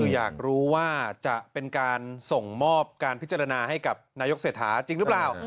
อยากรู้ว่าจะเป็นการส่งมอบการพิจารณาให้กับนายกเศรษฐาจริงหรือเปล่า